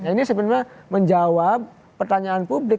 nah ini sebenarnya menjawab pertanyaan publik